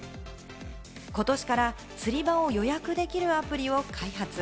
ことしから釣り場を予約できるアプリを開発。